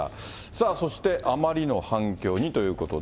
さあそして、あまりの反響にということで。